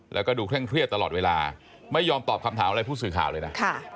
แล้วก็ดูเคร่งเครียดตลอดเวลาไม่ยอมตอบคำถามอะไรผู้สื่อข่าวเลยนะ